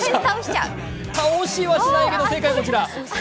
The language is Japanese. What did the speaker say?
倒しはしないけど、正解はこちら。